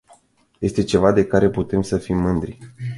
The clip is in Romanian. Este ceva de care putem să fim mândri.